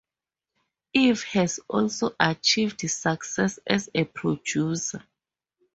Eve has also achieved success as a producer.